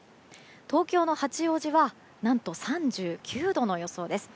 東京の八王子は何と３９度の予想です。